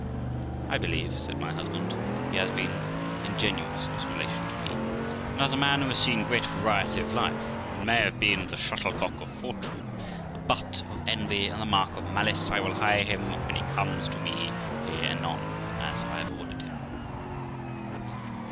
'I believe', said my husband, 'he has been ingenuous in his relation to me ; and as a man who has seen great variety of life, and may have been the shuttlecock of fortune, the butt of envy, and the mark of malice, I will hire him when he comes to me here anon, as I have ordered him.'